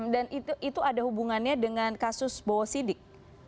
dan itu ada hubungannya dengan kasus bawasidik